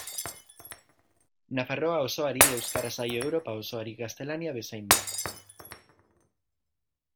Nafarroa osoari euskara zaio Europa osoari gaztelania bezainbat.